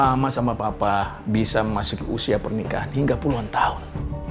mama sama papa bisa memasuki usia pernikahan hingga puluhan tahun